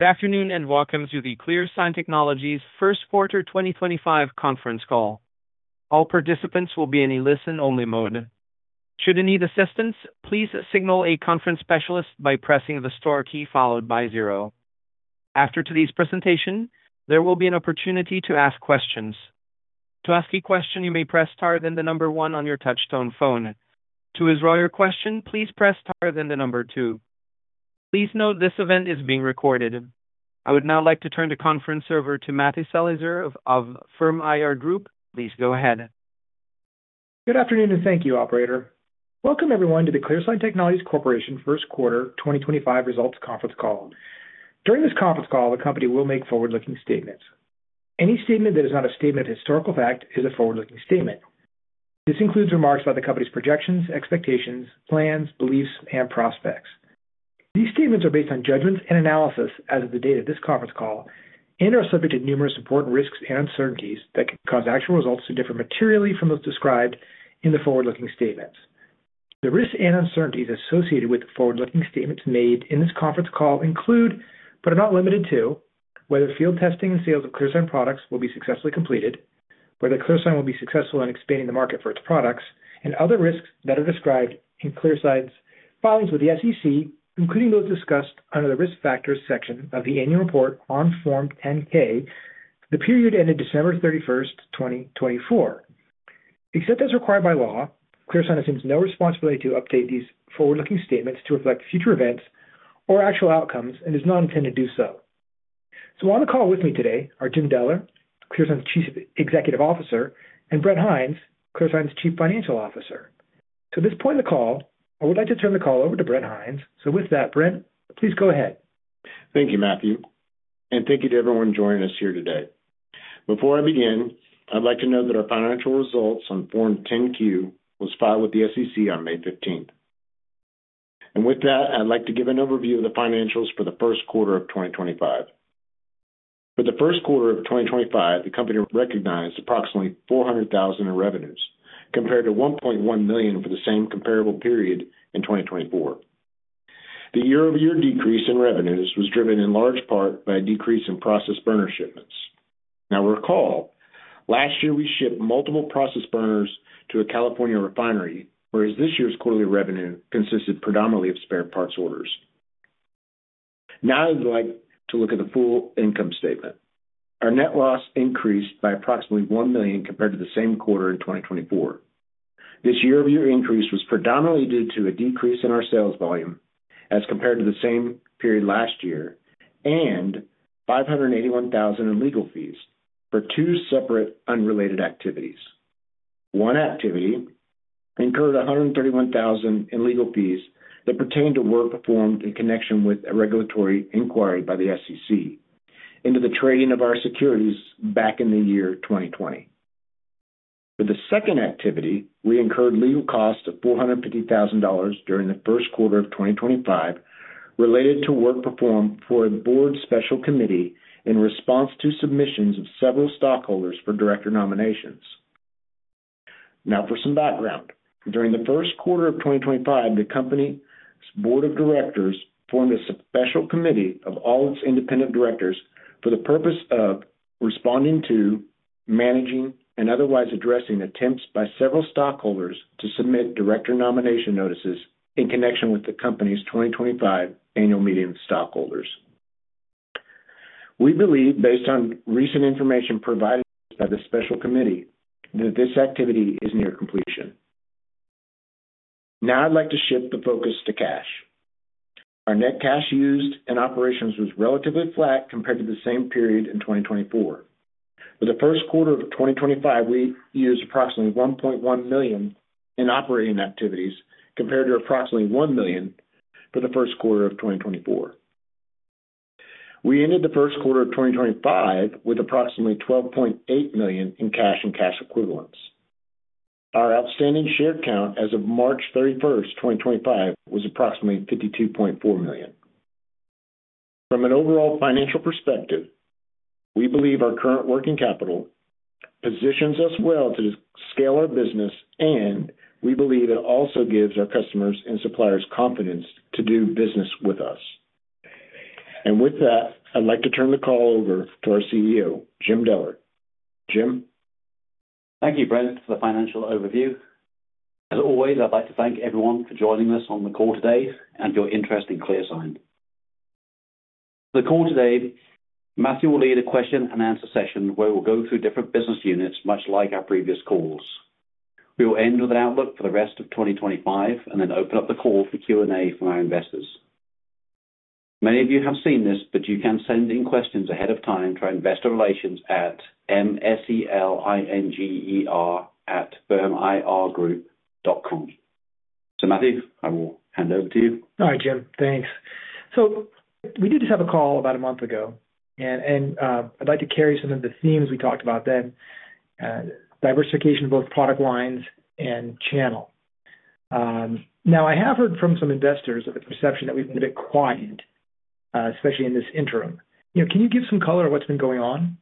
Good afternoon and welcome to the ClearSign Technologies First Quarter 2025 Conference Call. All participants will be in a listen-only mode. Should you need assistance, please signal a conference specialist by pressing the star key followed by zero. After today's presentation, there will be an opportunity to ask questions. To ask a question, you may press star then the number one on your touchstone phone. To withdraw your question, please press star then the number two. Please note this event is being recorded. I would now like to turn the conference over to Matthew Selinger of Firm IR Group. Please go ahead. Good afternoon and thank you, Operator. Welcome everyone to the ClearSign Technologies Corporation First Quarter 2025 Results Conference Call. During this conference call, the company will make forward-looking statements. Any statement that is not a statement of historical fact is a forward-looking statement. This includes remarks about the company's projections, expectations, plans, beliefs, and prospects. These statements are based on judgments and analysis as of the date of this conference call and are subject to numerous important risks and uncertainties that can cause actual results to differ materially from those described in the forward-looking statements. The risks and uncertainties associated with the forward-looking statements made in this conference call include, but are not limited to, whether field testing and sales of ClearSign products will be successfully completed, whether ClearSign will be successful in expanding the market for its products, and other risks that are described in ClearSign's filings with the SEC, including those discussed under the risk factors section of the annual report on Form 10-K for the period ended December 31, 2024. Except as required by law, ClearSign assumes no responsibility to update these forward-looking statements to reflect future events or actual outcomes and is not intended to do so. On the call with me today are Jim Deller, ClearSign's Chief Executive Officer, and Brent Hinds, ClearSign's Chief Financial Officer. At this point in the call, I would like to turn the call over to Brent Hinds. With that, Brent, please go ahead. Thank you, Matthew. Thank you to everyone joining us here today. Before I begin, I'd like to note that our financial results on Form 10-Q were filed with the SEC on May 15th. With that, I'd like to give an overview of the financials for the first quarter of 2025. For the first quarter of 2025, the company recognized approximately $400,000 in revenues, compared to $1.1 million for the same comparable period in 2024. The year-over-year decrease in revenues was driven in large part by a decrease in process burner shipments. Now, recall, last year we shipped multiple process burners to a California refinery, whereas this year's quarterly revenue consisted predominantly of spare parts orders. Now I'd like to look at the full income statement. Our net loss increased by approximately one million dollars compared to the same quarter in 2024. This year-over-year increase was predominantly due to a decrease in our sales volume as compared to the same period last year and $581,000 in legal fees for two separate unrelated activities. One activity incurred $131,000 in legal fees that pertained to work performed in connection with a regulatory inquiry by the SEC into the trading of our securities back in the year 2020. For the second activity, we incurred legal costs of $450,000 during the first quarter of 2025 related to work performed for a board special committee in response to submissions of several stockholders for director nominations. Now, for some background, during the first quarter of 2025, the company's board of directors formed a special committee of all its independent directors for the purpose of responding to, managing, and otherwise addressing attempts by several stockholders to submit director nomination notices in connection with the company's 2025 annual meeting of stockholders. We believe, based on recent information provided by the special committee, that this activity is near completion. Now I'd like to shift the focus to cash. Our net cash used in operations was relatively flat compared to the same period in 2024. For the first quarter of 2025, we used approximately $1.1 million in operating activities compared to approximately one dollars million for the first quarter of 2024. We ended the first quarter of 2025 with approximately $12.8 million in cash and cash equivalents. Our outstanding share count as of March 31, 2025, was approximately 52.4 million. From an overall financial perspective, we believe our current working capital positions us well to scale our business, and we believe it also gives our customers and suppliers confidence to do business with us. With that, I'd like to turn the call over to our CEO, Jim Deller. Jim. Thank you, Brent, for the financial overview. As always, I'd like to thank everyone for joining us on the call today and your interest in ClearSign. For the call today, Matthew will lead a question-and-answer session where we'll go through different business units much like our previous calls. We will end with an outlook for the rest of 2025 and then open up the call for Q&A from our investors. Many of you have seen this, but you can send in questions ahead of time to our investor relations at mselinger@firmirgroup.com. Matthew, I will hand over to you. All right, Jim. Thanks. We did just have a call about a month ago, and I'd like to carry some of the themes we talked about then: diversification of both product lines and channel. I have heard from some investors of the perception that we've been a bit quiet, especially in this interim. Can you give some color of what's been going on?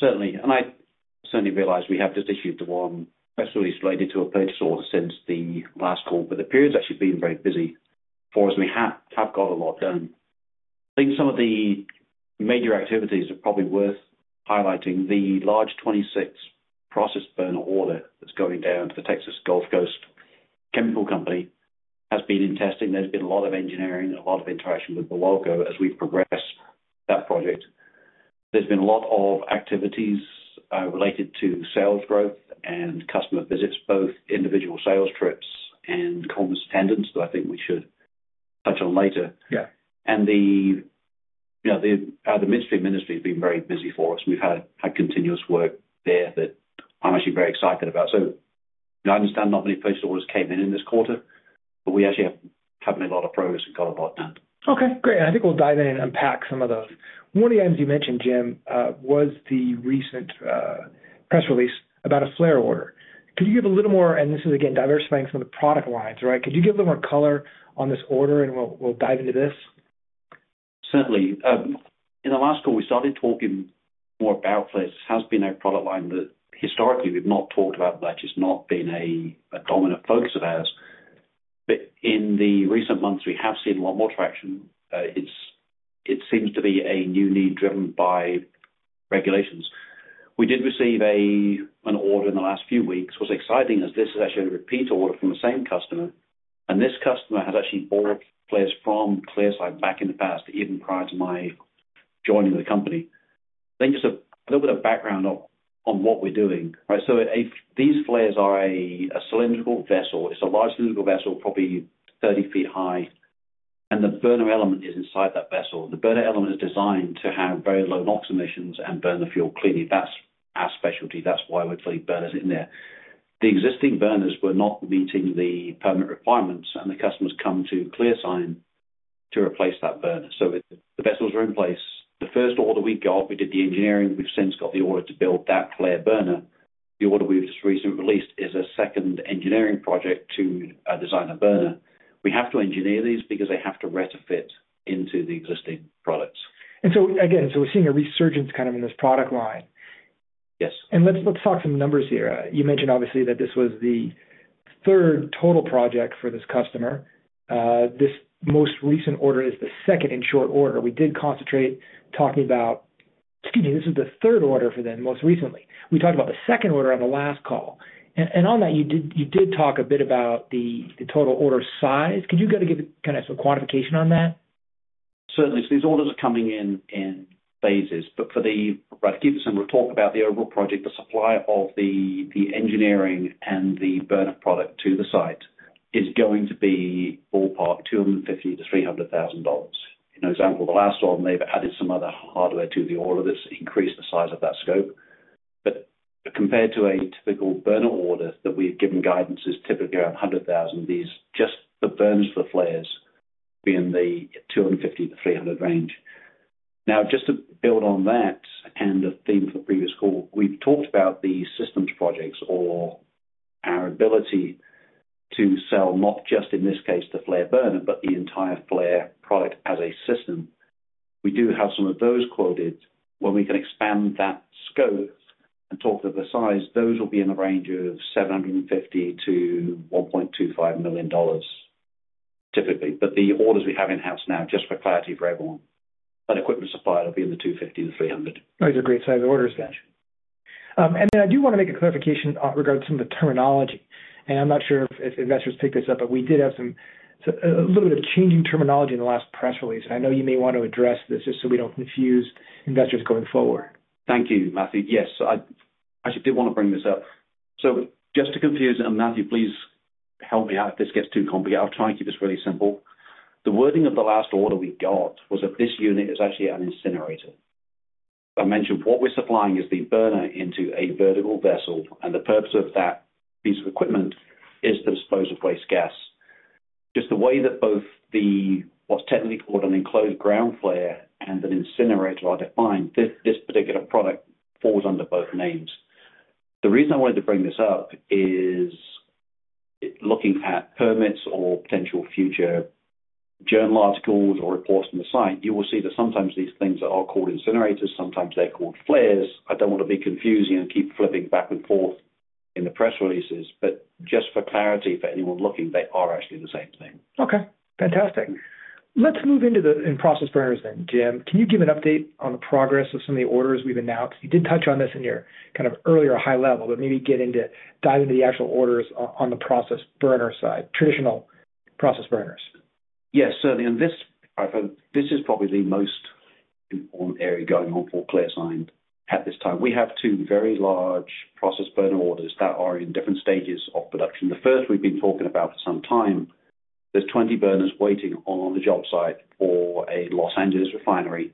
Certainly. I certainly realize we have just issued the one that's really related to a purchase order since the last call, but the period's actually been very busy for us, and we have got a lot done. I think some of the major activities are probably worth highlighting. The large 26 process burner order that's going down to the Texas Gulf Coast chemical company has been in testing. There's been a lot of engineering and a lot of interaction with the logo as we progress that project. There's been a lot of activities related to sales growth and customer visits, both individual sales trips and commerce attendance that I think we should touch on later. The Ministry of Industry has been very busy for us. We've had continuous work there that I'm actually very excited about.I understand not many purchase orders came in in this quarter, but we actually are having a lot of progress and got a lot done. Okay. Great. I think we'll dive in and unpack some of those. One of the items you mentioned, Jim, was the recent press release about a Flare order. Could you give a little more—and this is, again, diversifying some of the product lines, right? Could you give a little more color on this order, and we'll dive into this? Certainly. In the last call, we started talking more about Flare. This has been a product line that historically we've not talked about much. It's not been a dominant focus of ours. In the recent months, we have seen a lot more traction. It seems to be a new need driven by regulations. We did receive an order in the last few weeks. What's exciting is this is actually a repeat order from the same customer. This customer has actually bought Flares from ClearSign back in the past, even prior to my joining the company. Just a little bit of background on what we're doing, right? These Flares are a cylindrical vessel. It's a large cylindrical vessel, probably 30 feet high, and the burner element is inside that vessel. The burner element is designed to have very low NOx emissions and burn the fuel cleanly. That's our specialty. That's why we're putting burners in there. The existing burners were not meeting the permit requirements, and the customers come to ClearSign to replace that burner. The vessels are in place. The first order we got, we did the engineering. We've since got the order to build that Flare burner. The order we've just recently released is a second engineering project to design a burner. We have to engineer these because they have to retrofit into the existing products. So we're seeing a resurgence kind of in this product line. Yes. Let's talk some numbers here. You mentioned obviously that this was the third total project for this customer. This most recent order is the second in short order. We did concentrate talking about, excuse me, this is the third order for them most recently. We talked about the second order on the last call. And on that, you did talk a bit about the total order size. Could you kind of give some quantification on that? Certainly. These orders are coming in phases, but to give you some talk about the overall project, the supply of the engineering and the burner product to the site is going to be ballpark $250,000-$300,000. For example, the last one, they have added some other hardware to the order that has increased the size of that scope. Compared to a typical burner order that we have given guidance is typically around $100,000, just the burners for the Flares being in the $250,000-$300,000 range. Now, just to build on that and a theme from the previous call, we have talked about the systems projects or our ability to sell not just in this case the Flare burner, but the entire Flare product as a system. We do have some of those quoted. When we can expand that scope and talk to the size, those will be in the range of $750,000-$1.25 million typically. But the orders we have in-house now, just for clarity for everyone, an equipment supplier will be in the $250,000-$300,000. Those are great size orders, guys. I do want to make a clarification regarding some of the terminology. I'm not sure if investors picked this up, but we did have a little bit of changing terminology in the last press release. I know you may want to address this just so we don't confuse investors going forward. Thank you, Matthew. Yes, I actually did want to bring this up. Just to confuse it, and Matthew, please help me out if this gets too complicated. I'll try and keep this really simple. The wording of the last order we got was that this unit is actually an incinerator. I mentioned what we're supplying is the burner into a vertical vessel, and the purpose of that piece of equipment is to dispose of waste gas. Just the way that both what's technically called an enclosed ground flare and an incinerator are defined, this particular product falls under both names. The reason I wanted to bring this up is looking at permits or potential future journal articles or reports on the site, you will see that sometimes these things are called incinerators, sometimes they're called flares.I don't want to be confusing and keep flipping back and forth in the press releases, but just for clarity for anyone looking, they are actually the same thing. Okay. Fantastic. Let's move into the process burners then, Jim. Can you give an update on the progress of some of the orders we've announced? You did touch on this in your kind of earlier high level, but maybe dive into the actual orders on the process burner side, traditional process burners. Yes, certainly. This is probably the most important area going on for ClearSign at this time. We have two very large process burner orders that are in different stages of production. The first we have been talking about for some time, there are 20 burners waiting on the job site for a Los Angeles refinery.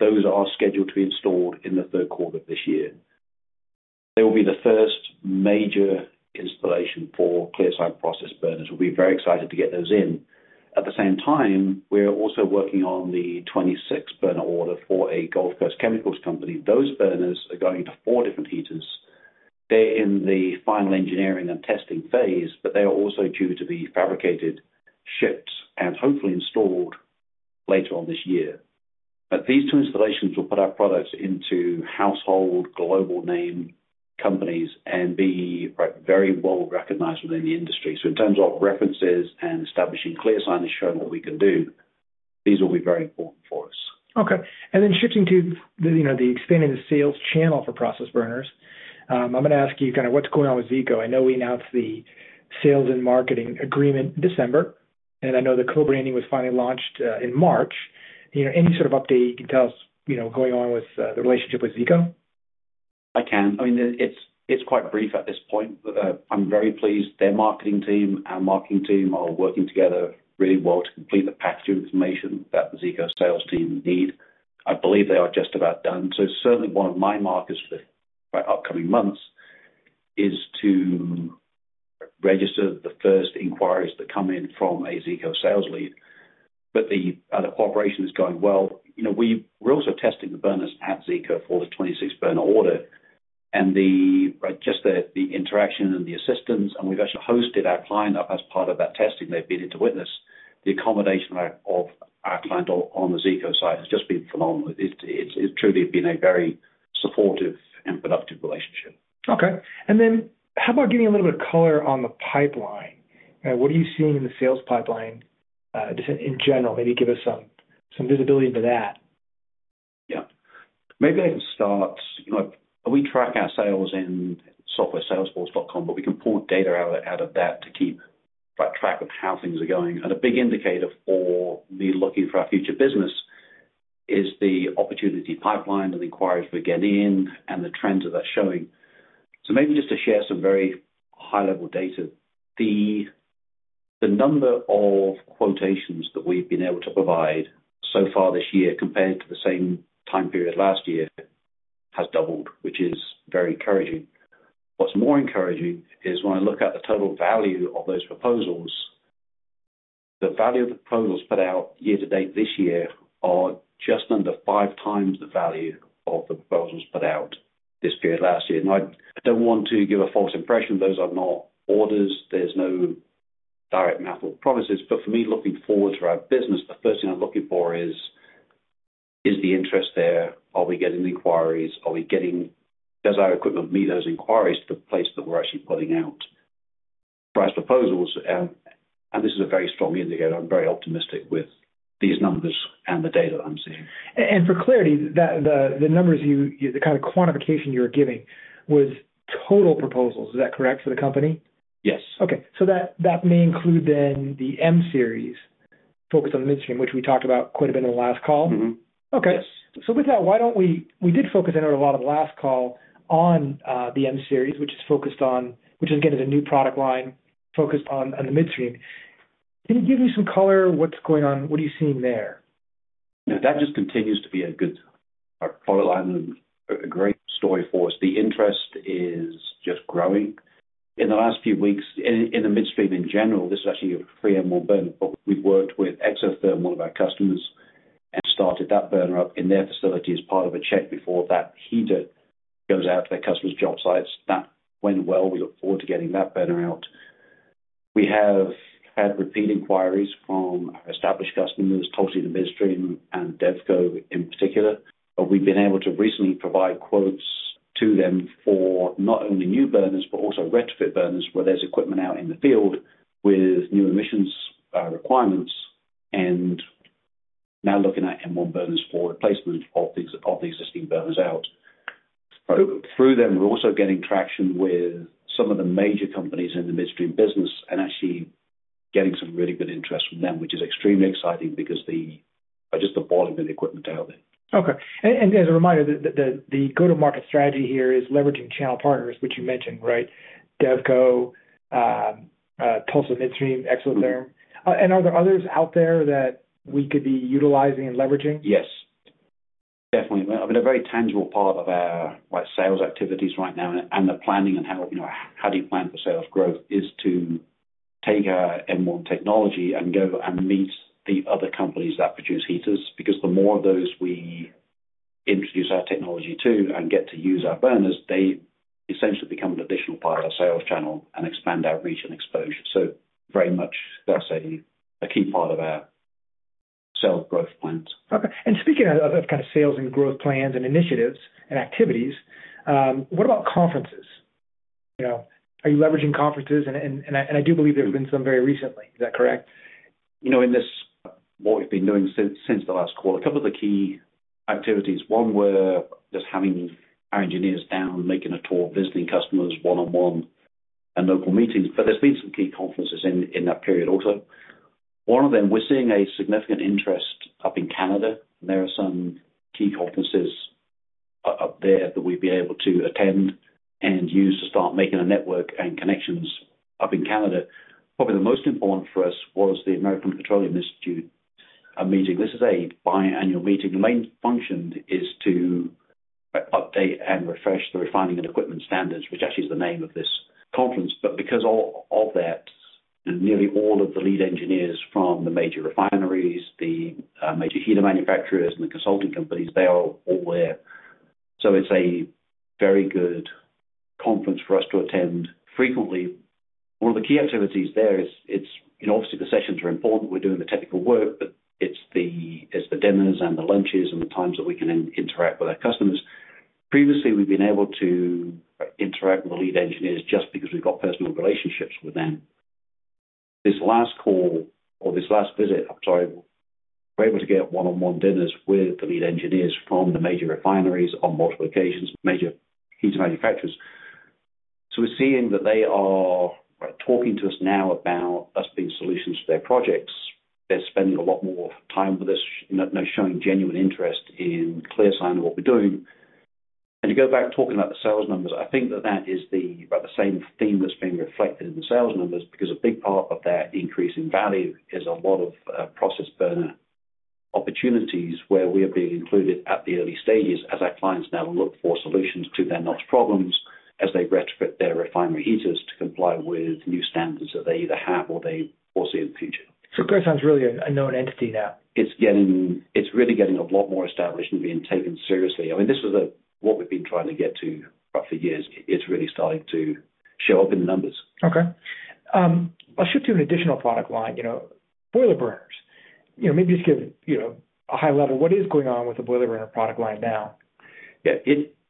Those are scheduled to be installed in the third quarter of this year. They will be the first major installation for ClearSign process burners. We will be very excited to get those in. At the same time, we are also working on the 26 burner order for a Gulf Coast Chemicals Company. Those burners are going to four different heaters. They are in the final engineering and testing phase, but they are also due to be fabricated, shipped, and hopefully installed later on this year. These two installations will put our products into household global name companies and be very well recognized within the industry. In terms of references and establishing ClearSign is showing what we can do, these will be very important for us. Okay. And then shifting to expanding the sales channel for process burners, I'm going to ask you kind of what's going on with Zeeco. I know we announced the sales and marketing agreement in December, and I know the co-branding was finally launched in March. Any sort of update you can tell us going on with the relationship with Zeeco? I can. I mean, it's quite brief at this point. I'm very pleased. Their marketing team and our marketing team are working together really well to complete the packaging information that the Zeeco sales team need. I believe they are just about done. Certainly one of my markers for the upcoming months is to register the first inquiries that come in from a Zeeco sales lead. The operation is going well. We're also testing the burners at Zeeco for the 26 burner order. Just the interaction and the assistance, and we've actually hosted our client up as part of that testing. They've been in to witness. The accommodation of our client on the Zeeco site has just been phenomenal. It's truly been a very supportive and productive relationship. Okay. How about giving a little bit of color on the pipeline? What are you seeing in the sales pipeline in general? Maybe give us some visibility into that. Yeah. Maybe I can start. We track our sales in software salesforce.com, but we can pull data out of that to keep track of how things are going. A big indicator for me looking for our future business is the opportunity pipeline and the inquiries we're getting in and the trends that that's showing. Maybe just to share some very high-level data, the number of quotations that we've been able to provide so far this year compared to the same time period last year has doubled, which is very encouraging. What's more encouraging is when I look at the total value of those proposals, the value of the proposals put out year to date this year are just under five times the value of the proposals put out this period last year. I don't want to give a false impression. Those are not orders. There's no direct math or promises. For me, looking forward to our business, the first thing I'm looking for is the interest there. Are we getting the inquiries? Are we getting—does our equipment meet those inquiries to the place that we're actually putting out price proposals? This is a very strong indicator. I'm very optimistic with these numbers and the data that I'm seeing. For clarity, the numbers, the kind of quantification you were giving was total proposals. Is that correct for the company? Yes. Okay. So that may include then the M-Series focused on the midstream, which we talked about quite a bit in the last call. Mm-hmm. Okay. With that, why don't we—we did focus, I know, a lot of the last call on the M-Series, which is, again, a new product line focused on the midstream. Can you give me some color? What's going on? What are you seeing there? That just continues to be a good product line and a great story for us. The interest is just growing. In the last few weeks, in the midstream in general, this is actually a pre and more burner, but we've worked with Exotherm, one of our customers, and started that burner up in their facility as part of a check before that heater goes out to their customers' job sites. That went well. We look forward to getting that burner out. We have had repeat inquiries from established customers, Tulsi in the midstream and Devco in particular. We've been able to recently provide quotes to them for not only new burners, but also retrofit burners where there's equipment out in the field with new emissions requirements and now looking at M1 burners for replacement of the existing burners out. Through them, we're also getting traction with some of the major companies in the midstream business and actually getting some really good interest from them, which is extremely exciting because just the volume of the equipment out there. Okay. As a reminder, the go-to-market strategy here is leveraging channel partners, which you mentioned, right? Devco, Tulsa midstream, Exotherm? Mm-hmm. Are there others out there that we could be utilizing and leveraging? Yes. Definitely. I mean, a very tangible part of our sales activities right now and the planning and how do you plan for sales growth is to take our M1 technology and go and meet the other companies that produce heaters. Because the more of those we introduce our technology to and get to use our burners, they essentially become an additional part of our sales channel and expand our reach and exposure. Very much that's a key part of our sales growth plans. Okay. And speaking of kind of sales and growth plans and initiatives and activities, what about conferences? Are you leveraging conferences? And I do believe there's been some very recently. Is that correct? In this. What we've been doing since the last call, a couple of the key activities. One was just having our engineers down, making a tour, visiting customers one-on-one and local meetings. There have been some key conferences in that period also. One of them, we're seeing a significant interest up in Canada. There are some key conferences up there that we've been able to attend and use to start making a network and connections up in Canada. Probably the most important for us was the American Petroleum Institute meeting. This is a biannual meeting. The main function is to update and refresh the refining and equipment standards, which actually is the name of this conference. Because of that, nearly all of the lead engineers from the major refineries, the major heater manufacturers, and the consulting companies, they are all there. It is a very good conference for us to attend frequently. One of the key activities there is obviously the sessions are important. We're doing the technical work, but it is the dinners and the lunches and the times that we can interact with our customers. Previously, we've been able to interact with the lead engineers just because we've got personal relationships with them. This last call or this last visit, I'm sorry, we were able to get one-on-one dinners with the lead engineers from the major refineries on multiple occasions, major heater manufacturers. We are seeing that they are talking to us now about us being solutions to their projects. They are spending a lot more time with us, showing genuine interest in ClearSign and what we are doing. To go back talking about the sales numbers, I think that that is about the same theme that's being reflected in the sales numbers because a big part of that increase in value is a lot of process burner opportunities where we are being included at the early stages as our clients now look for solutions to their NOx problems as they retrofit their refinery heaters to comply with new standards that they either have or they foresee in the future. ClearSign is really a known entity now. It's really getting a lot more established and being taken seriously. I mean, this was what we've been trying to get to for years. It's really starting to show up in the numbers. Okay. I'll shift to an additional product line, boiler burners. Maybe just give a high level, what is going on with the boiler burner product line now? Yeah.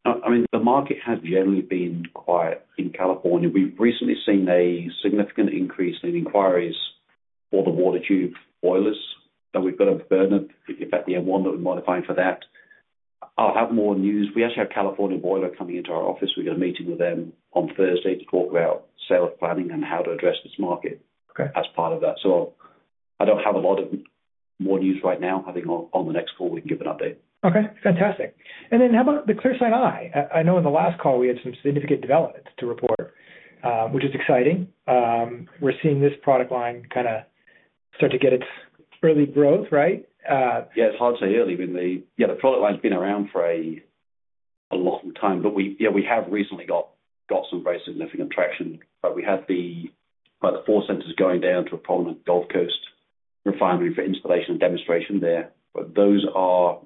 I mean, the market has generally been quiet in California. We've recently seen a significant increase in inquiries for the water tube boilers that we've got a burner at the end, one that we're modifying for that. I'll have more news. We actually have California Boiler coming into our office. We've got a meeting with them on Thursday to talk about sales planning and how to address this market as part of that. I don't have a lot of more news right now. I think on the next call, we can give an update. Okay. Fantastic. How about the ClearSign Eye? I know in the last call, we had some significant developments to report, which is exciting. We're seeing this product line kind of start to get its early growth, right? Yeah. It's hard to say early when they, yeah, the product line's been around for a long time, but yeah, we have recently got some very significant traction. We had the four sensors going down to a prominent Gulf Coast refinery for installation and demonstration there. Those are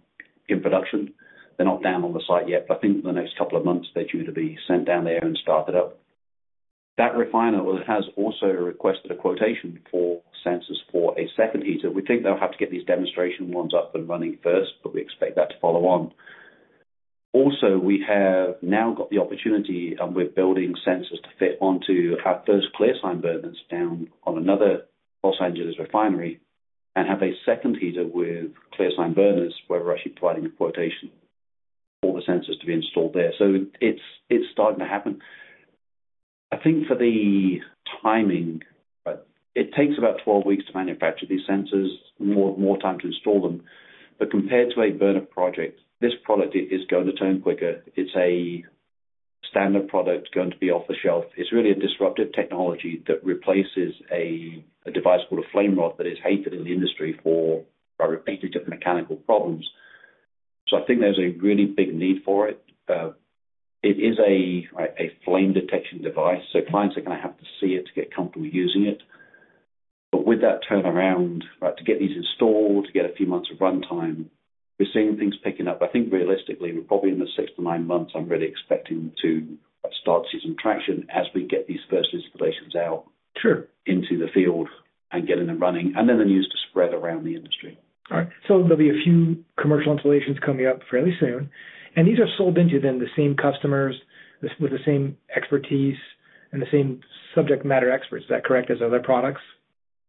in production. They're not down on the site yet, but I think in the next couple of months, they're due to be sent down there and started up. That refiner has also requested a quotation for sensors for a second heater. We think they'll have to get these demonstration ones up and running first, but we expect that to follow on. Also, we have now got the opportunity with building sensors to fit onto our first ClearSign burners down on another Los Angeles refinery and have a second heater with ClearSign burners where we're actually providing a quotation for the sensors to be installed there. It is starting to happen. I think for the timing, it takes about 12 weeks to manufacture these sensors, more time to install them. Compared to a burner project, this product is going to turn quicker. It is a standard product going to be off the shelf. It is really a disruptive technology that replaces a device called a flame rod that is hated in the industry for repeated mechanical problems. I think there is a really big need for it. It is a flame detection device, so clients are going to have to see it to get comfortable using it. With that turnaround, to get these installed, to get a few months of runtime, we're seeing things picking up. I think realistically, we're probably in the six- to nine-month range. I'm really expecting to start seeing some traction as we get these first installations out into the field and getting them running and then the news to spread around the industry. All right. There'll be a few commercial installations coming up fairly soon. These are sold into then the same customers with the same expertise and the same subject matter experts. Is that correct? Those are their products?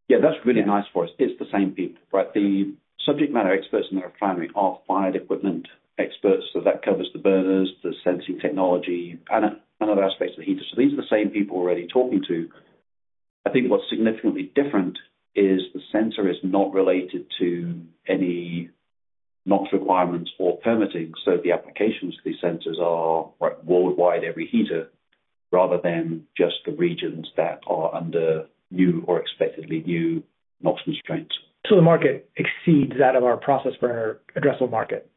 Yeah. That's really nice for us. It's the same people. The subject matter experts in the refinery are fired equipment experts. That covers the burners, the sensing technology, and other aspects of the heaters. These are the same people we're already talking to. I think what's significantly different is the sensor is not related to any NOx requirements or permitting. The applications for these sensors are worldwide, every heater, rather than just the regions that are under new or expectedly new NOx constraints. The market exceeds that of our process burner addressable market?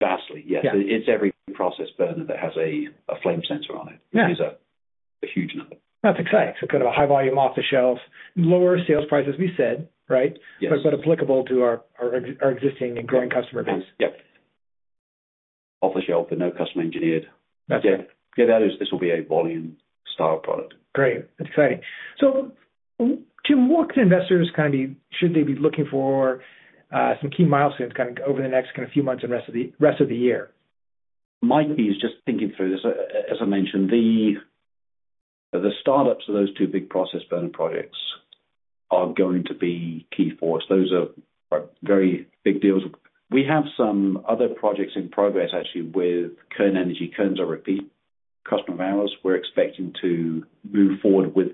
Vastly, yes. It's every process burner that has a flame sensor on it. It is a huge number. That's exciting. Kind of a high volume off the shelf, lower sales price, as we said, right? Yes. Applicable to our existing and growing customer base. Yep. Off the shelf, but no customer engineered. Yeah. This will be a volume-style product. Great. That's exciting. Jim, what can investors kind of be should they be looking for some key milestones kind of over the next few months and rest of the year? My key is just thinking through this. As I mentioned, the startups of those two big process burner projects are going to be key for us. Those are very big deals. We have some other projects in progress, actually, with Kern Energy. Kern's a repeat customer of ours. We're expecting to move forward with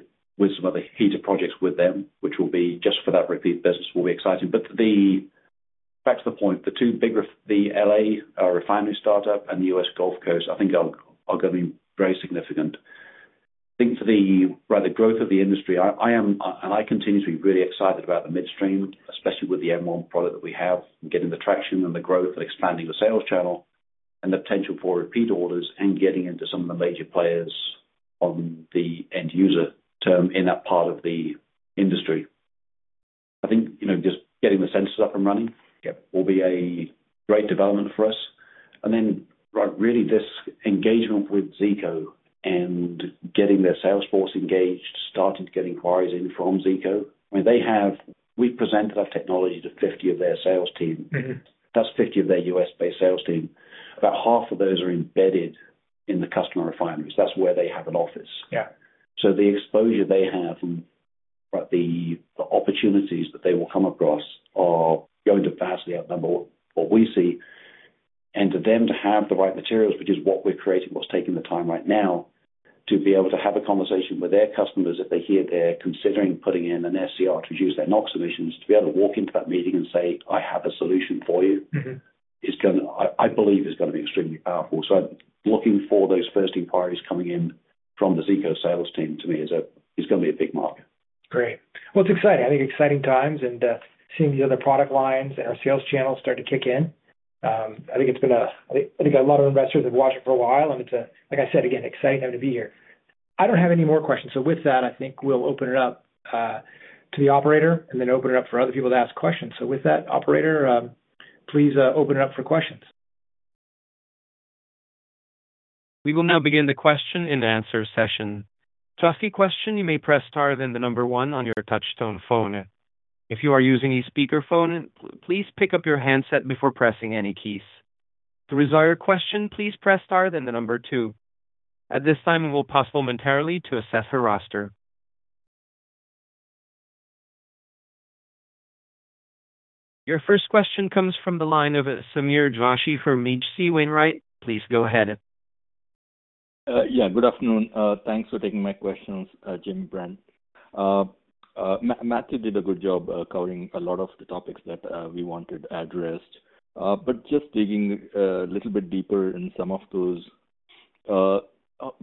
some other heater projects with them, which will be just for that repeat business. It will be exciting. Back to the point, the two bigger, the Los Angeles refinery startup and the U.S. Gulf Coast, I think are going to be very significant. I think for the growth of the industry, and I continue to be really excited about the midstream, especially with the M1 product that we have, getting the traction and the growth and expanding the sales channel and the potential for repeat orders and getting into some of the major players on the end user term in that part of the industry. I think just getting the sensors up and running will be a great development for us. I mean, really this engagement with Zeeco and getting their sales force engaged, starting to get inquiries in from Zeeco. I mean, we've presented our technology to 50 of their sales team. That's 50 of their U.S.-based sales team. About half of those are embedded in the customer refineries. That's where they have an office. The exposure they have and the opportunities that they will come across are going to vastly outnumber what we see. For them to have the right materials, which is what we're creating, what's taking the time right now, to be able to have a conversation with their customers if they hear they're considering putting in an SCR to reduce their NOx emissions, to be able to walk into that meeting and say, "I have a solution for you," I believe is going to be extremely powerful. Looking for those first inquiries coming in from the Zeeco sales team, to me, is going to be a big market. Great. It's exciting. I think exciting times and seeing these other product lines and our sales channels start to kick in. I think a lot of investors have watched it for a while, and it's, like I said, again, exciting to be here. I don't have any more questions. With that, I think we'll open it up to the operator and then open it up for other people to ask questions. With that, operator, please open it up for questions. We will now begin the question and answer session. To ask a question, you may press star then the number one on your touchstone phone. If you are using a speakerphone, please pick up your handset before pressing any keys. To resolve your question, please press star then the number two. At this time, we will pause momentarily to assess our roster. Your first question comes from the line of Sameer Joshi from HC Wainwright. Please go ahead. Yeah. Good afternoon. Thanks for taking my questions, Jim, Brent. Matthew did a good job covering a lot of the topics that we wanted addressed. Just digging a little bit deeper in some of those, the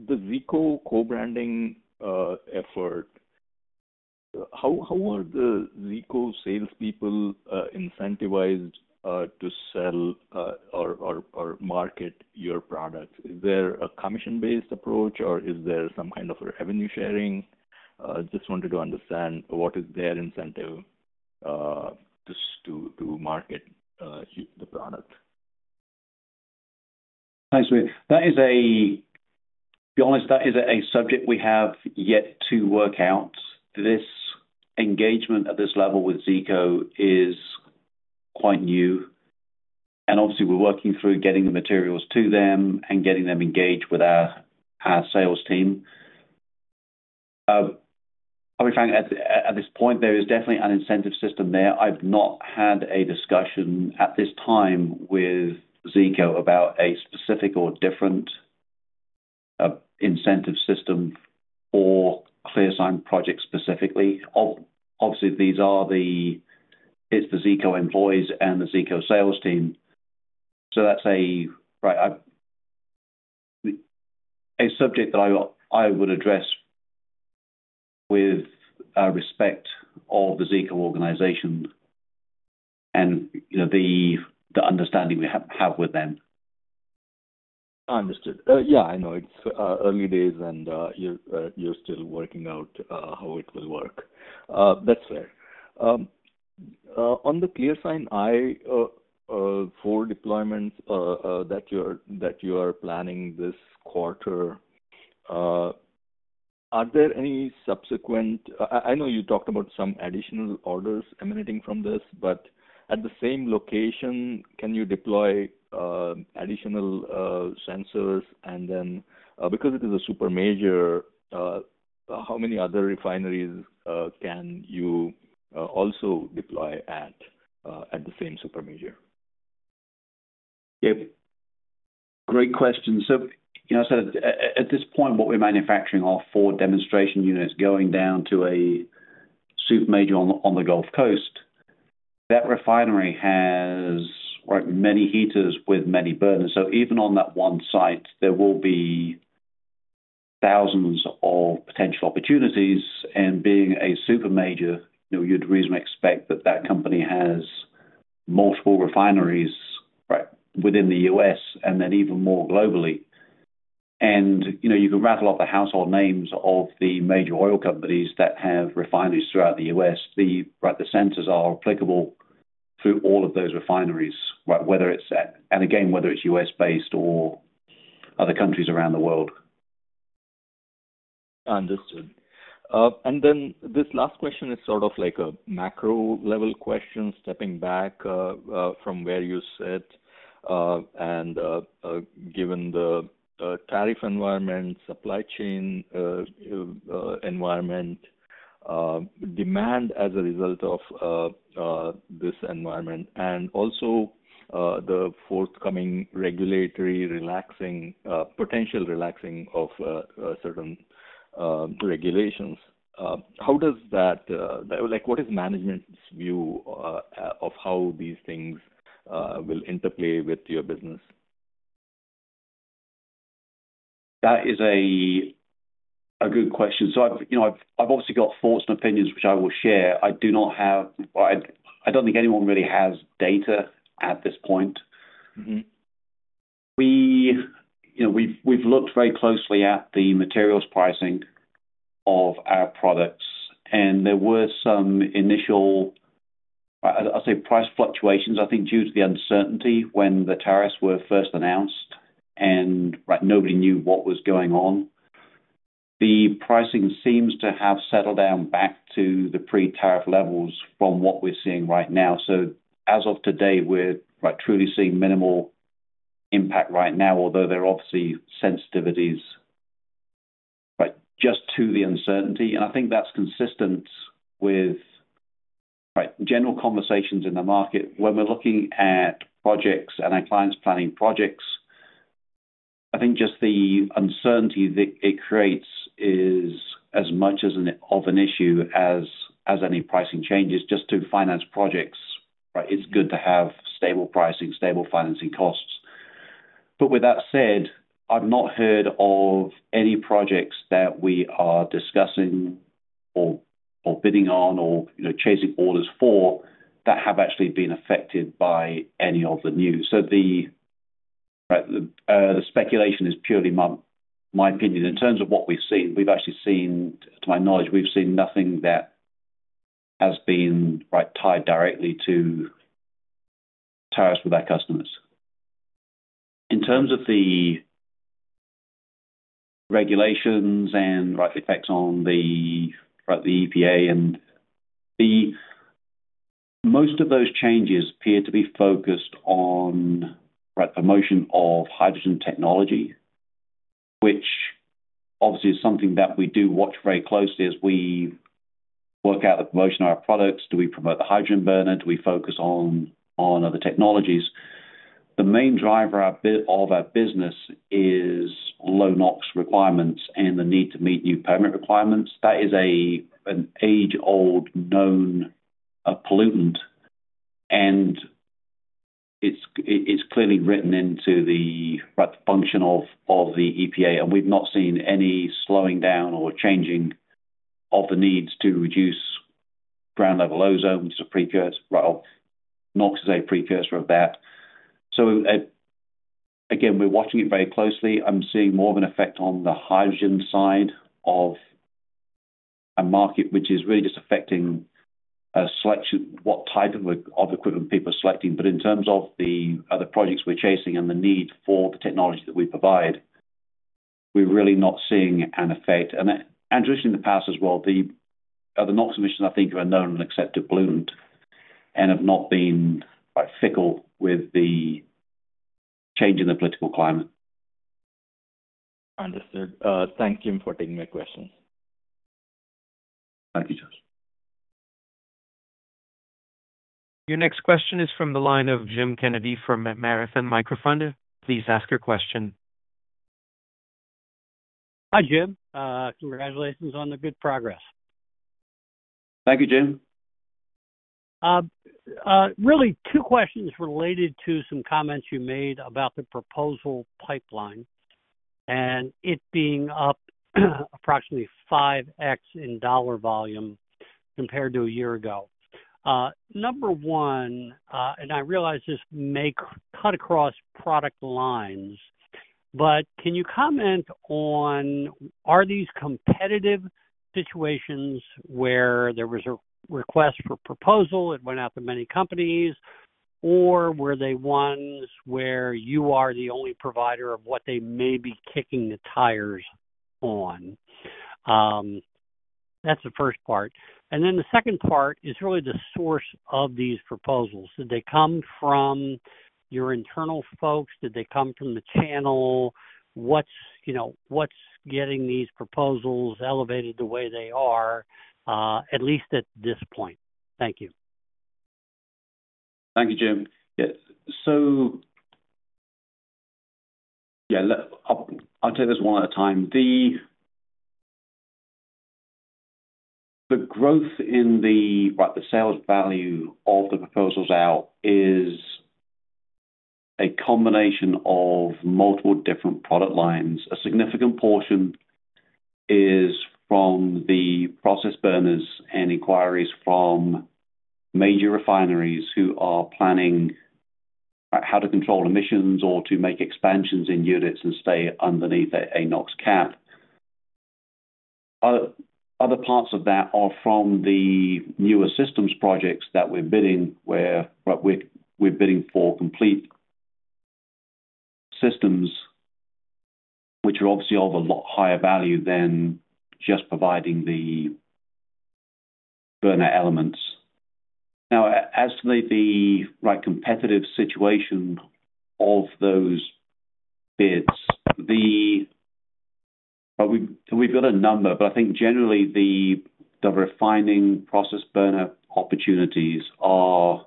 Zeeco co-branding effort, how are the Zeeco salespeople incentivized to sell or market your products? Is there a commission-based approach, or is there some kind of revenue sharing? Just wanted to understand what is their incentive to market the product. Thanks, Reid. To be honest, that is a subject we have yet to work out. This engagement at this level with Zeeco is quite new. Obviously, we're working through getting the materials to them and getting them engaged with our sales team. At this point, there is definitely an incentive system there. I've not had a discussion at this time with Zeeco about a specific or different incentive system or ClearSign project specifically. Obviously, it's the Zeeco employees and the Zeeco sales team. That is a subject that I would address with respect of the Zeeco organization and the understanding we have with them. Understood. Yeah, I know it's early days, and you're still working out how it will work. That's fair. On the ClearSign Eye, four deployments that you are planning this quarter, are there any subsequent—I know you talked about some additional orders emanating from this, but at the same location, can you deploy additional sensors? Because it is a super major, how many other refineries can you also deploy at the same super major? Yeah. Great question. At this point, what we're manufacturing are four demonstration units going down to a super major on the Gulf Coast. That refinery has many heaters with many burners. Even on that one site, there will be thousands of potential opportunities. Being a super major, you'd reasonably expect that that company has multiple refineries within the U.S. and then even more globally. You can rattle off the household names of the major oil companies that have refineries throughout the U.S. The sensors are applicable through all of those refineries, whether it's—again, whether it's U.S.-based or other countries around the world. Understood. This last question is sort of like a macro-level question, stepping back from where you sit. Given the tariff environment, supply chain environment, demand as a result of this environment, and also the forthcoming regulatory relaxing, potential relaxing of certain regulations, how does that—what is management's view of how these things will interplay with your business? That is a good question. I have obviously got thoughts and opinions, which I will share. I do not have—I do not think anyone really has data at this point. We have looked very closely at the materials pricing of our products, and there were some initial, I would say, price fluctuations, I think, due to the uncertainty when the tariffs were first announced and nobody knew what was going on. The pricing seems to have settled down back to the pre-tariff levels from what we are seeing right now. As of today, we are truly seeing minimal impact right now, although there are obviously sensitivities just to the uncertainty. I think that is consistent with general conversations in the market. When we are looking at projects and our clients planning projects, I think just the uncertainty that it creates is as much of an issue as any pricing changes. Just to finance projects, it's good to have stable pricing, stable financing costs. With that said, I've not heard of any projects that we are discussing or bidding on or chasing orders for that have actually been affected by any of the news. The speculation is purely my opinion. In terms of what we've seen, to my knowledge, we've seen nothing that has been tied directly to tariffs with our customers. In terms of the regulations and effects on the EPA, most of those changes appear to be focused on promotion of hydrogen technology, which obviously is something that we do watch very closely as we work out the promotion of our products. Do we promote the hydrogen burner? Do we focus on other technologies? The main driver of our business is low-NOx requirements and the need to meet new permit requirements. That is an age-old known pollutant, and it's clearly written into the function of the EPA. We've not seen any slowing down or changing of the needs to reduce ground-level ozone, which is a precursor of NOx, is a precursor of that. Again, we're watching it very closely. I'm seeing more of an effect on the hydrogen side of a market, which is really just affecting what type of equipment people are selecting. In terms of the other projects we're chasing and the need for the technology that we provide, we're really not seeing an effect. Traditionally in the past as well, the NOx emissions, I think, are a known and accepted pollutant and have not been fickle with the change in the political climate. Understood. Thank you for taking my questions. Thank you, Josh. Your next question is from the line of Jim Kennedy from Marathon Micro Fund. Please ask your question. Hi, Jim. Congratulations on the good progress. Thank you, Jim. Really, two questions related to some comments you made about the proposal pipeline and it being up approximately 5x in dollar volume compared to a year ago. Number one, and I realize this may cut across product lines, but can you comment on, are these competitive situations where there was a request for proposal? It went out to many companies, or were they ones where you are the only provider of what they may be kicking the tires on? That is the first part. The second part is really the source of these proposals. Did they come from your internal folks? Did they come from the channel? What is getting these proposals elevated the way they are, at least at this point? Thank you. Thank you, Jim. So yeah, I'll take this one at a time. The growth in the sales value of the proposals out is a combination of multiple different product lines. A significant portion is from the process burners and inquiries from major refineries who are planning how to control emissions or to make expansions in units and stay underneath a NOx cap. Other parts of that are from the newer systems projects that we're bidding, where we're bidding for complete systems, which are obviously of a lot higher value than just providing the burner elements. Now, as to the competitive situation of those bids, we've got a number, but I think generally the refining process burner opportunities are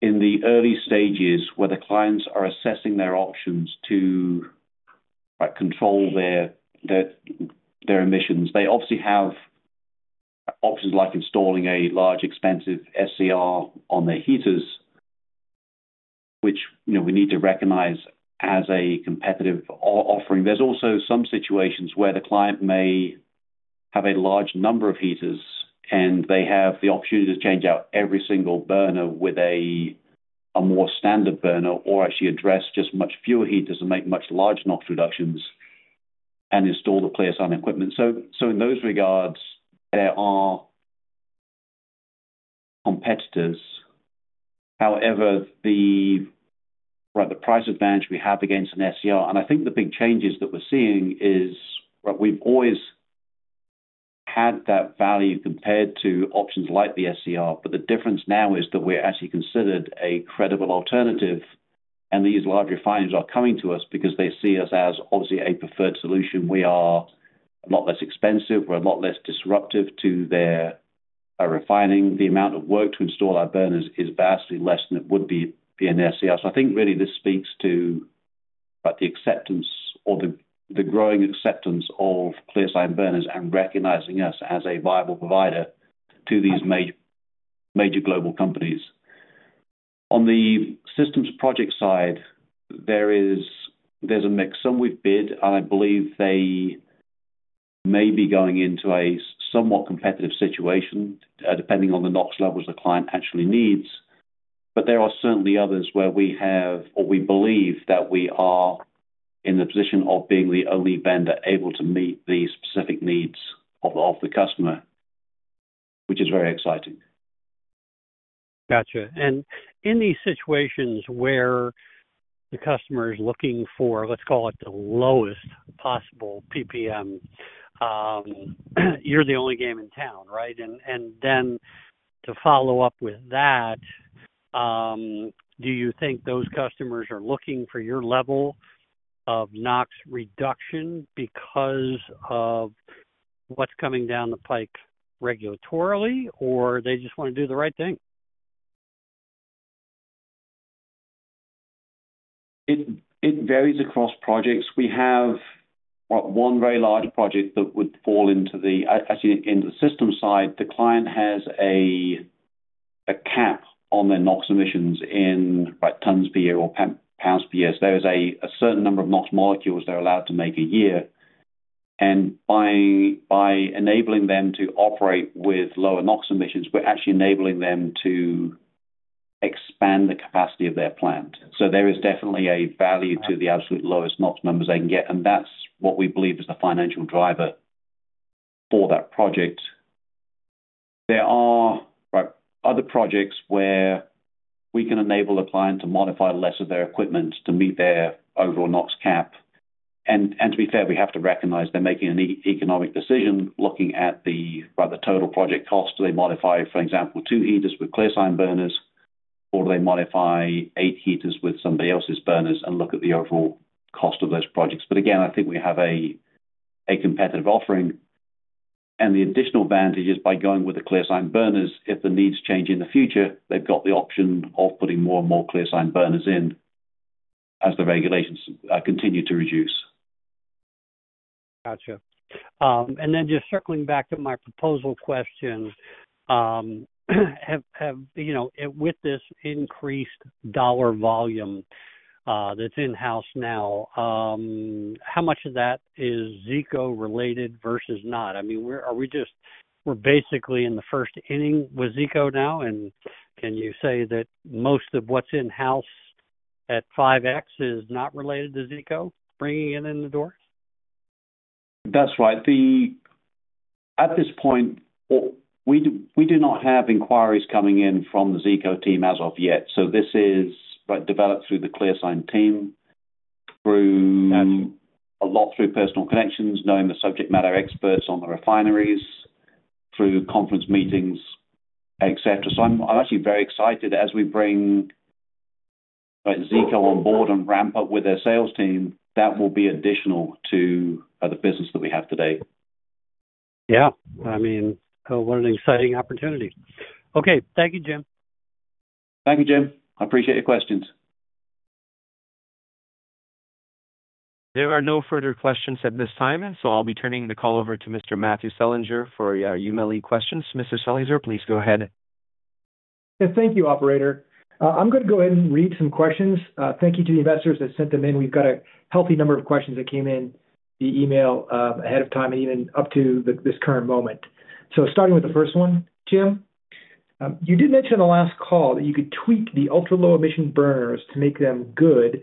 in the early stages where the clients are assessing their options to control their emissions. They obviously have options like installing a large, expensive SCR on their heaters, which we need to recognize as a competitive offering. There are also some situations where the client may have a large number of heaters, and they have the opportunity to change out every single burner with a more standard burner or actually address just much fewer heaters and make much larger NOx reductions and install the ClearSign equipment. In those regards, there are competitors. However, the price advantage we have against an SCR, and I think the big changes that we are seeing is we have always had that value compared to options like the SCR, but the difference now is that we are actually considered a credible alternative. These large refineries are coming to us because they see us as obviously a preferred solution. We are a lot less expensive. We are a lot less disruptive to their refining. The amount of work to install our burners is vastly less than it would be in SCR. I think really this speaks to the acceptance or the growing acceptance of ClearSign burners and recognizing us as a viable provider to these major global companies. On the systems project side, there is a mix. Some we have bid, and I believe they may be going into a somewhat competitive situation depending on the NOx levels the client actually needs. There are certainly others where we have or we believe that we are in the position of being the only vendor able to meet the specific needs of the customer, which is very exciting. Gotcha. In these situations where the customer is looking for, let's call it the lowest possible PPM, you're the only game in town, right? To follow up with that, do you think those customers are looking for your level of notch reduction because of what's coming down the pike regulatorily, or they just want to do the right thing? It varies across projects. We have one very large project that would fall into the system side. The client has a cap on their NOx emissions in tons per year or pounds per year. There is a certain number of NOx molecules they're allowed to make a year. By enabling them to operate with lower NOx emissions, we're actually enabling them to expand the capacity of their plant. There is definitely a value to the absolute lowest NOx numbers they can get. That is what we believe is the financial driver for that project. There are other projects where we can enable the client to modify less of their equipment to meet their overall NOx cap. To be fair, we have to recognize they're making an economic decision looking at the total project cost. Do they modify, for example, two heaters with ClearSign burners, or do they modify eight heaters with somebody else's burners and look at the overall cost of those projects? I think we have a competitive offering. The additional advantage is by going with the ClearSign burners, if the needs change in the future, they've got the option of putting more and more ClearSign burners in as the regulations continue to reduce. Gotcha. And then just circling back to my proposal question, with this increased dollar volume that's in-house now, how much of that is Zeeco-related versus not? I mean, are we just—we're basically in the first inning with Zeeco now, and can you say that most of what's in-house at 5x is not related to Zeeco bringing it in the door? That's right. At this point, we do not have inquiries coming in from the Zeeco team as of yet. This is developed through the ClearSign team through a lot through personal connections, knowing the subject matter experts on the refineries, through conference meetings, etc. I am actually very excited as we bring Zeeco on board and ramp up with their sales team. That will be additional to the business that we have today. Yeah. I mean, what an exciting opportunity. Okay. Thank you, Jim. Thank you, Jim. I appreciate your questions. There are no further questions at this time, so I'll be turning the call over to Mr. Matthew Selinger for your UMLE questions. Mr. Selinger, please go ahead. Yeah. Thank you, Operator. I'm going to go ahead and read some questions. Thank you to the investors that sent them in. We've got a healthy number of questions that came in the email ahead of time and even up to this current moment. Starting with the first one, Jim, you did mention in the last call that you could tweak the ultra-low emission burners to make them good,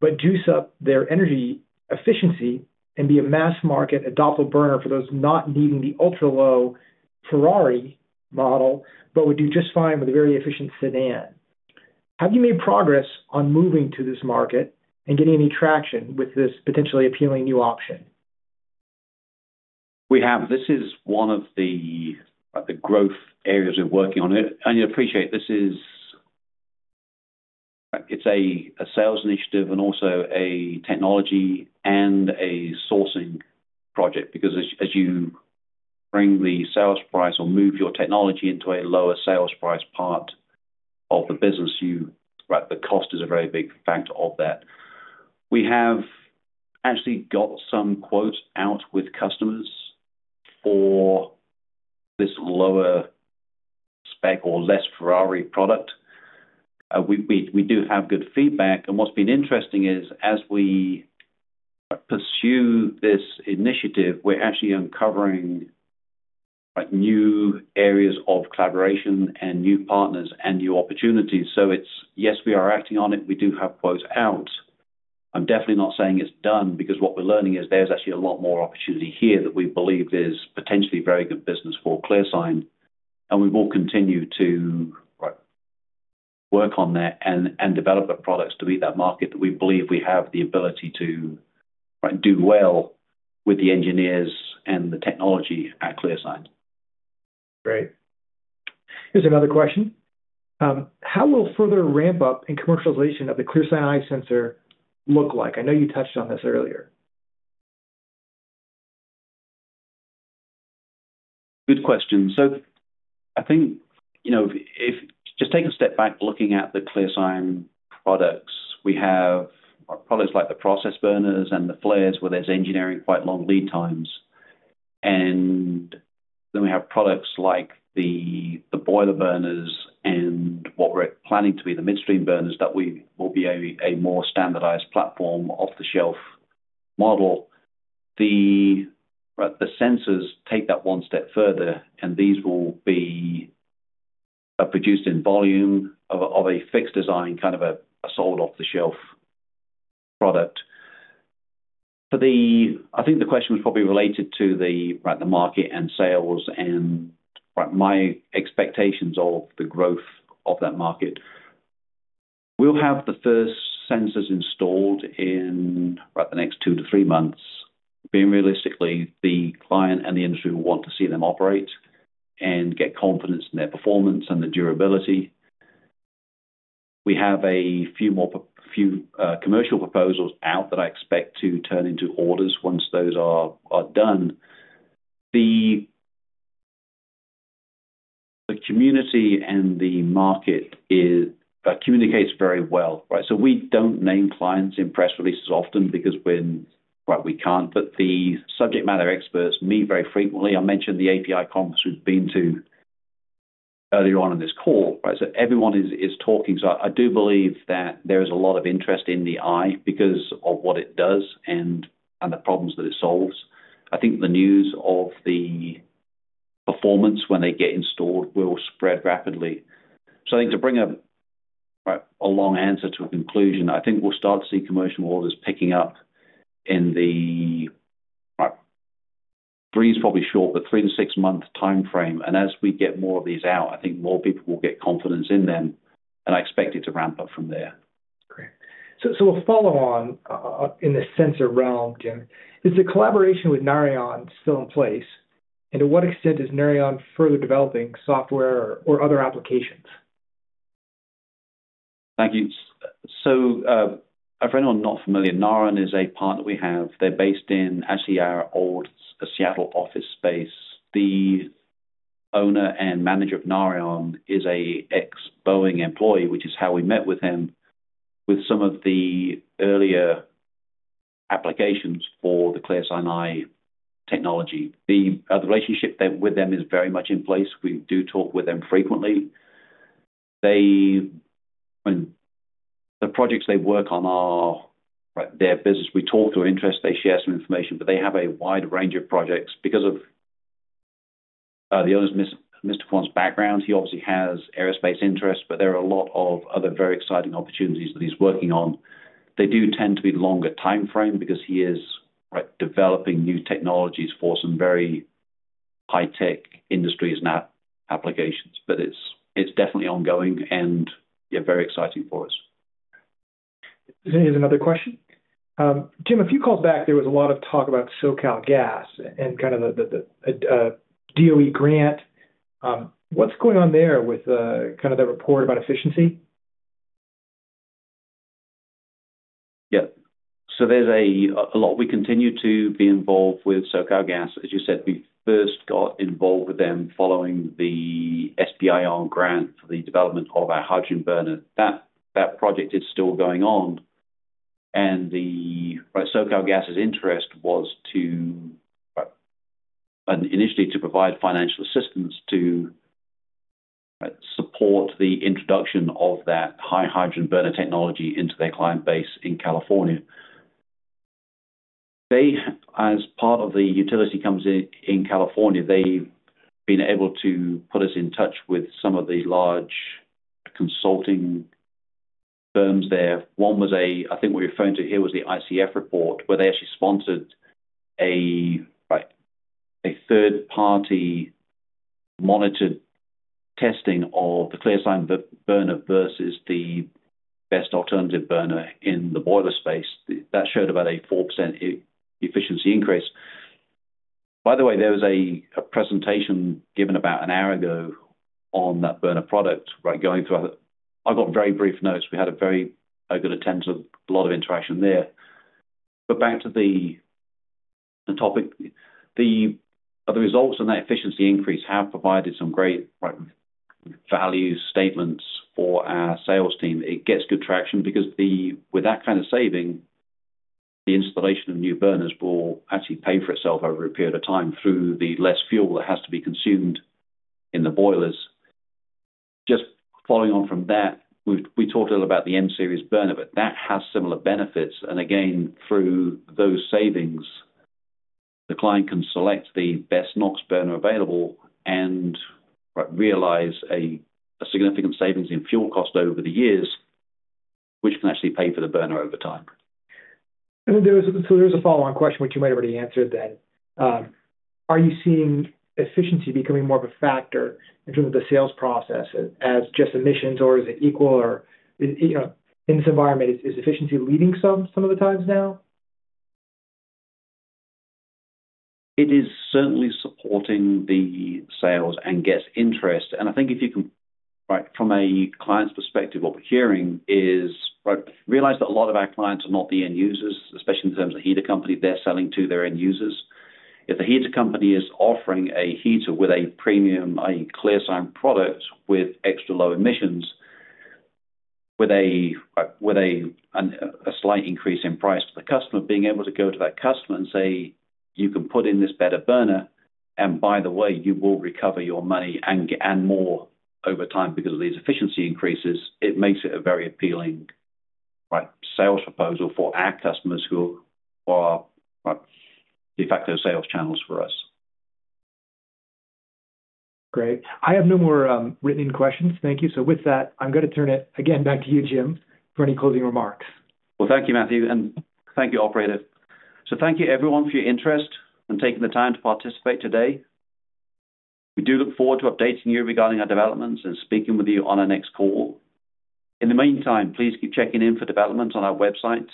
but juice up their energy efficiency and be a mass market adoptable burner for those not needing the ultra-low Ferrari model, but would do just fine with a very efficient sedan. Have you made progress on moving to this market and getting any traction with this potentially appealing new option? We have. This is one of the growth areas we're working on. I appreciate this is a sales initiative and also a technology and a sourcing project because as you bring the sales price or move your technology into a lower sales price part of the business, the cost is a very big factor of that. We have actually got some quotes out with customers for this lower spec or less Ferrari product. We do have good feedback. What's been interesting is as we pursue this initiative, we're actually uncovering new areas of collaboration and new partners and new opportunities. Yes, we are acting on it. We do have quotes out. I'm definitely not saying it's done because what we're learning is there's actually a lot more opportunity here that we believe is potentially very good business for ClearSign.We will continue to work on that and develop the products to meet that market that we believe we have the ability to do well with the engineers and the technology at ClearSign. Great. Here's another question. How will further ramp-up and commercialization of the ClearSign Eye sensor look like? I know you touched on this earlier. Good question. I think if just take a step back looking at the ClearSign products, we have products like the process burners and the flares where there is engineering, quite long lead times. Then we have products like the boiler burners and what we are planning to be the midstream burners that will be a more standardized platform, off-the-shelf model. The sensors take that one step further, and these will be produced in volume of a fixed design, kind of a sold off-the-shelf product. I think the question was probably related to the market and sales and my expectations of the growth of that market. We will have the first sensors installed in the next two to three months. Realistically, the client and the industry will want to see them operate and get confidence in their performance and the durability. We have a few commercial proposals out that I expect to turn into orders once those are done. The community and the market communicates very well. We do not name clients in press releases often because we cannot, but the subject matter experts meet very frequently. I mentioned the API conference we have been to earlier on in this call. Everyone is talking. I do believe that there is a lot of interest in the Eye because of what it does and the problems that it solves. I think the news of the performance when they get installed will spread rapidly. To bring a long answer to a conclusion, I think we will start to see commercial orders picking up in the, I am probably short, but three to six-month time frame. As we get more of these out, I think more people will get confidence in them, and I expect it to ramp up from there. Great. A follow-on in the sensor realm, Jim, is the collaboration with Narion still in place? To what extent is Narion further developing software or other applications? Thank you. For anyone not familiar, Narion is a partner we have. They're based in actually our old Seattle office space. The owner and manager of Narion is an ex-Boeing employee, which is how we met with him with some of the earlier applications for the ClearSign Eye technology. The relationship with them is very much in place. We do talk with them frequently. The projects they work on are their business. We talk to interest. They share some information, but they have a wide range of projects. Because of the owner's, Mr. Kwan's, background, he obviously has aerospace interests, but there are a lot of other very exciting opportunities that he's working on. They do tend to be longer time frame because he is developing new technologies for some very high-tech industries and applications, but it's definitely ongoing and very exciting for us. Here's another question. Jim, a few calls back, there was a lot of talk about SoCalGas and kind of the DOE grant. What's going on there with kind of the report about efficiency? Yeah. So there's a lot. We continue to be involved with SoCalGas. As you said, we first got involved with them following the SBIR grant for the development of our hydrogen burner. That project is still going on. SoCalGas's interest was initially to provide financial assistance to support the introduction of that high hydrogen burner technology into their client base in California. As part of the utility companies in California, they've been able to put us in touch with some of these large consulting firms there. One was a, I think what you're referring to here was the ICF report, where they actually sponsored a third-party monitored testing of the ClearSign burner versus the best alternative burner in the boiler space. That showed about a four percent efficiency increase. By the way, there was a presentation given about an hour ago on that burner product going through. I got very brief notes. We had a very good attention, a lot of interaction there. Back to the topic, the results and that efficiency increase have provided some great value statements for our sales team. It gets good traction because with that kind of saving, the installation of new burners will actually pay for itself over a period of time through the less fuel that has to be consumed in the boilers. Just following on from that, we talked a little about the M-Series burner, but that has similar benefits. Again, through those savings, the client can select the best notch burner available and realize a significant savings in fuel cost over the years, which can actually pay for the burner over time. There's a follow-on question, which you might have already answered then. Are you seeing efficiency becoming more of a factor in terms of the sales process as just emissions, or is it equal? Or in this environment, is efficiency leading some of the times now? It is certainly supporting the sales and gets interest. I think if you can from a client's perspective, what we're hearing is realize that a lot of our clients are not the end users, especially in terms of heater company. They're selling to their end users. If the heater company is offering a heater with a premium, a ClearSign product with extra low emissions, with a slight increase in price to the customer, being able to go to that customer and say, "You can put in this better burner, and by the way, you will recover your money and more over time because of these efficiency increases," it makes it a very appealing sales proposal for our customers who are DeFacto sales channels for us. Great. I have no more written-in questions. Thank you. With that, I'm going to turn it again back to you, Jim, for any closing remarks. Thank you, Matthew. Thank you, Operator. Thank you, everyone, for your interest and taking the time to participate today. We do look forward to updating you regarding our developments and speaking with you on our next call. In the meantime, please keep checking in for developments on our website,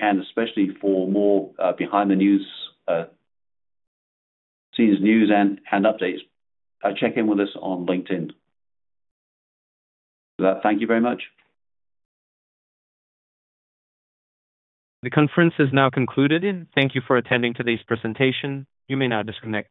and especially for more behind-the-news scenes, news, and updates. Check in with us on LinkedIn. Thank you very much. The conference is now concluded. Thank you for attending today's presentation. You may now disconnect.